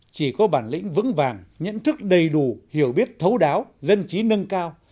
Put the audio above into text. chỉ có bản lĩnh vững vàng nhận thức đầy đủ hiểu biết thấu đáo dân trí nâng cao